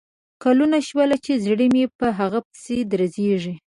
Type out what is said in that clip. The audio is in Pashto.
کلونه شول چې زړه مې په هغه پسې درزیږي